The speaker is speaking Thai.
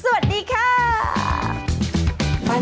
วุ่นวาย